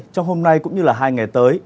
trong hôm nay cũng như là hai ngày tới